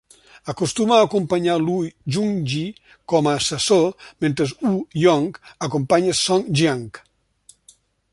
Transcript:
Acostuma a acompanyar Lu Junyi com a assessor mentre Wu Yonk acompanya Song Jiang.